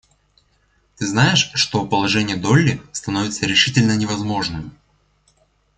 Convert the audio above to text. Ты знаешь, что положение Долли становится решительно невозможным?